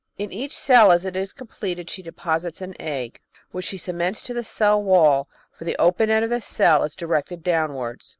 In each cell as it is completed she deposits an egg^ which she cements to the cell wall, for the open end of the cell is directed downwards.